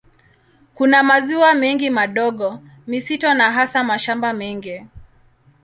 Kuna maziwa mengi madogo, misitu na hasa mashamba mengi.